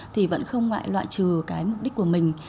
thì vẫn không ngại loại trừ cái mục đích của mình